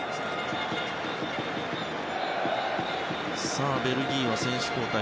さあ、ベルギーは選手交代。